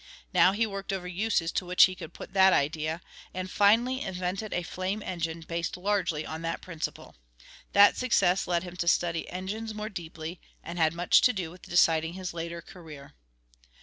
Now he worked over uses to which he could put that idea, and finally invented a flame engine based largely on that principle. That success led him to study engines more deeply, and had much to do with deciding his later career.